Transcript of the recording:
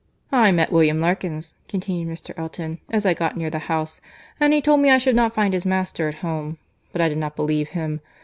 "I met William Larkins," continued Mr. Elton, "as I got near the house, and he told me I should not find his master at home, but I did not believe him.